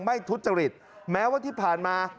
ทุจริตแม้ว่าที่ผ่านมา